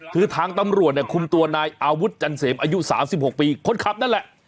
คือทางตำรวจเนี่ยคุมตัวนายอาวุธจันเสมอายุ๓๖ปีคนขับนั่นแหละ